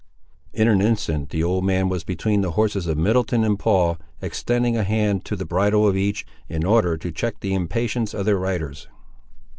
In an instant the old man was between the horses of Middleton and Paul, extending a hand to the bridle of each, in order to check the impatience of their riders.